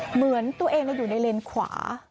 เหมือนตัวเองอยู่ในเลนขวา